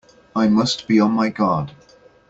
I must be on my guard!